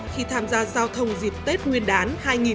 khi tham gia giao thông dịp tết nguyên đán